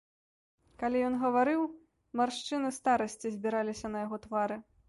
Калі ён гаварыў, маршчыны старасці збіраліся на яго твары.